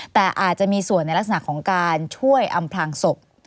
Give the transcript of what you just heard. แต่อาจจะมีส่วนในลักษณะของการช่วยอำพลางศพ